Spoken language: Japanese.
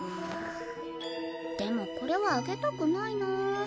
でもこれはあげたくないなあ。